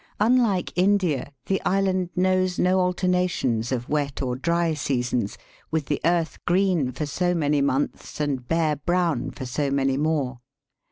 Unlike India, the island knows no alternations of wet or dry seasons, with the earth green for so many months and bare brown for so many more.